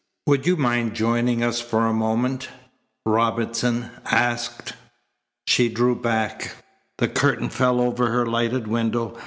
"Would you mind joining us for a moment?" Robinson asked. She drew back. The curtain fell over her lighted window.